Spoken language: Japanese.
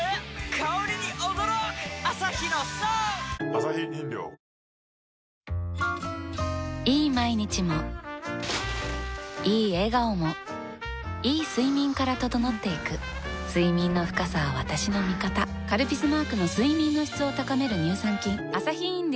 香りに驚くアサヒの「颯」いい毎日もいい笑顔もいい睡眠から整っていく睡眠の深さは私の味方「カルピス」マークの睡眠の質を高める乳酸菌